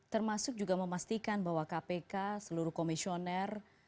termasuk juga memastikan bahwa kpk seluruh komisioner